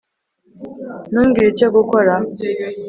Ntumbwire Icyo gukora